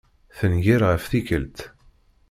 Tenger ɣef tikelt.